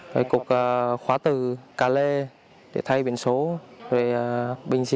khi đi chuẩn bị văn phá khóa với phá sóng định vị